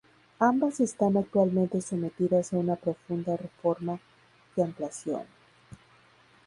Ambas están actualmente sometidas a una profunda reforma y ampliación.